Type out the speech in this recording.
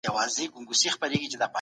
څلور تر درو ډېر دي.